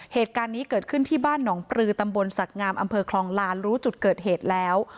เหตุการณ์นี้เกิดขึ้นที่บ้านหนองปลือตำบลศักดิ์งามอำเภอคลองลานรู้จุดเกิดเหตุแล้ว